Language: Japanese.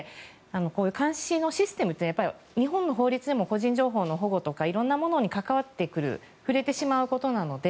こういう監視のシステムというのは日本の法律でも個人情報の保護とかいろんなものに関わってくる触れてしまうことなので。